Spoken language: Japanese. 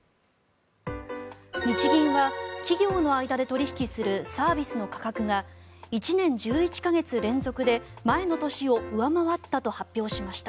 日銀は企業の間で取引するサービスの価格が１年１１か月連続で前の年を上回ったと発表しました。